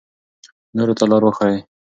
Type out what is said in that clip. نورو ته لار وښایئ.